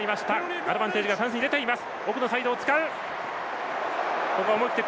アドバンテージがフランスに出ています。